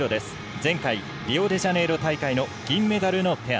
前回リオデジャネイロ大会の銀メダルのペア。